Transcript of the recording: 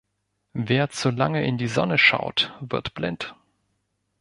Wer zu lange in die Sonne schaut wird blind.